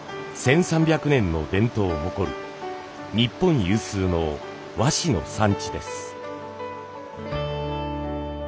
１，３００年の伝統を誇る日本有数の和紙の産地です。